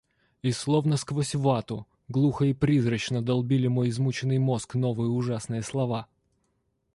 И, словно сквозь вату, глухо и призрачно долбили мой измученный мозг новые ужасные слова: —.